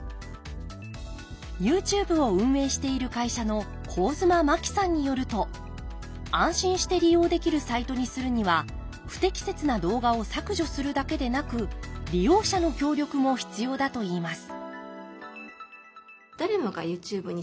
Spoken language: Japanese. ＹｏｕＴｕｂｅを運営している会社の上妻真木さんによると安心して利用できるサイトにするには不適切な動画を削除するだけでなく利用者の協力も必要だといいます